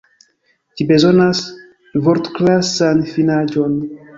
Ĝi bezonas vortklasan finaĵon.